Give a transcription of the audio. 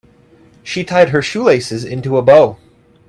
She tied her shoelaces into a bow.